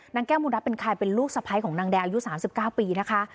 นางแก้วมูนับเป็นใครเป็นลูกสะพ้ายของนางแดงอายุ๓๙ปีนะคะ